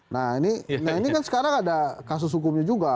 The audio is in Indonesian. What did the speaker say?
nah ini kan sekarang ada kasus hukumnya juga